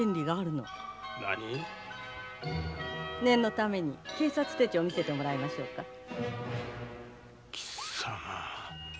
念のために警察手帳を見せてもらいましょうか？